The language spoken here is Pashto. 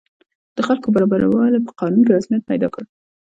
د خلکو برابروالی په قانون کې رسمیت پیدا کړ.